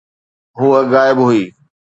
هوءَ غائب هئي.